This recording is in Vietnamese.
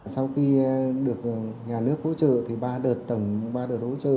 sau khi được nhà nước hỗ trợ thì ba đợt tổng ba đợt hỗ trợ